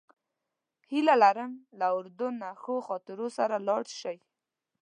هیله لرم له اردن نه ښو خاطرو سره لاړ شئ.